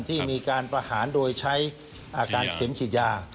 ที่มีการประหารโดยใช้อาการเข็มฉีดยา